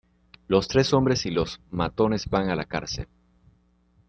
Los tres hombres y los matones van a la cárcel.